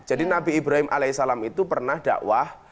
jadi nabi ibrahim alaihissalam itu pernah dakwah